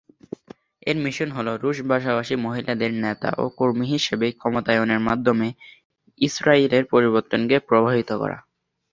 এর মিশন হল রুশ ভাষাভাষী মহিলাদের নেতা ও কর্মী হিসেবে ক্ষমতায়নের মাধ্যমে ইসরায়েলের পরিবর্তনকে প্রভাবিত করা।